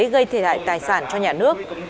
gây thiệt hại tài sản cho nhà nước